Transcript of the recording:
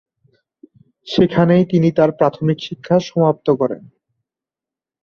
সেখানেই তিনি তার প্রাথমিক শিক্ষা সমাপ্ত করেন।